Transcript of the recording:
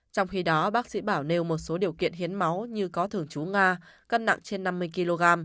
trong khi đó bác sĩ bảo nêu một số điều kiện hiến máu như có thường chú nga cân nặng trên năm mươi kg